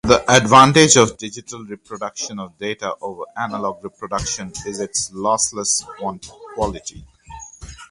The advantage of digital reproduction of data over analogue reproduction is its lossless quality.